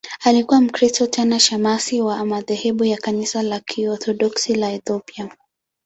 Alikuwa Mkristo, tena shemasi wa madhehebu ya Kanisa la Kiorthodoksi la Ethiopia.